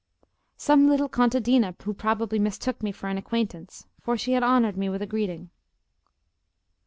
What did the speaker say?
"Some little contadina who probably mistook me for an acquaintance, for she had honoured me with a greeting."